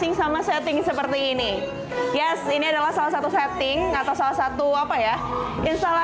ini adalah gg performance d giving